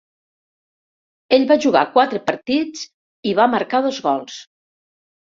Ell va jugar quatre partits i va marcar dos gols.